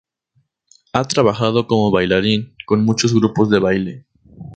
Ha trabajado como bailarín con muchos grupos de baile.